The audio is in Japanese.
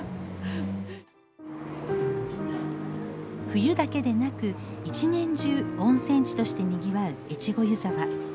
冬だけでなく、一年中温泉地としてにぎわう越後湯沢。